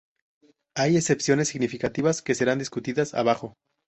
Hay excepciones significativas que serán discutidas abajo.